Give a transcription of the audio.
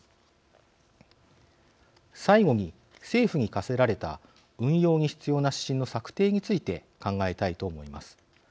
最後に政府に課せられた運用に必要な指針の策定について考えたいと思います。